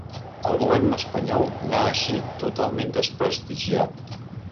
El govern espanyol n’ha eixit totalment desprestigiat.